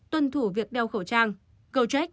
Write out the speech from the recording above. tuân thủ việc đeo khẩu trang gojek